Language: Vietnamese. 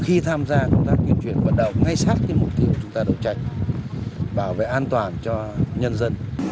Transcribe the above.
khi tham gia công tác tuyên truyền vận động ngay sát mục tiêu chúng ta đấu tranh bảo vệ an toàn cho nhân dân